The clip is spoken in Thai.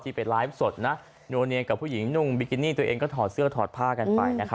ไปไลฟ์สดนะนัวเนียกับผู้หญิงนุ่งบิกินี่ตัวเองก็ถอดเสื้อถอดผ้ากันไป